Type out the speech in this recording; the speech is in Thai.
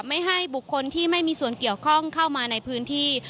ไม่ให้บุคคลที่ไม่มีส่วนเกี่ยวข้องเข้ามาในพื้นที่